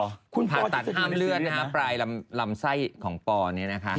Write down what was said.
คุณปอร์ที่สดีมันไม่ซีเรียสนะผ่านตัดห้ามเลือดนะครับปลายลำไส้ของปอร์นี้นะคะ